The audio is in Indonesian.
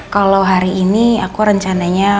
kalau hari ini aku rencananya